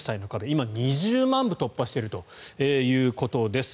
今、２０万部突破しているということです。